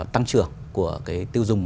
tăng trưởng của cái tiêu dùng